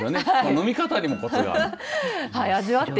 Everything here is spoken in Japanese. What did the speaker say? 飲み方にもコツがある。